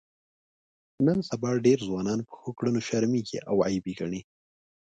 نن سبا ډېر ځوانان په ښو کړنو شرمېږي او عیب یې ګڼي.